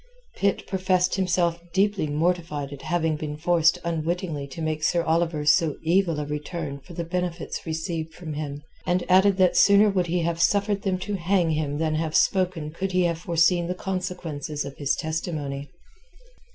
Pitt professed himself deeply mortified at having been forced unwittingly to make Sir Oliver so evil a return for the benefits received from him, and added that sooner would he have suffered them to hang him than have spoken could he have foreseen the consequences of his testimony.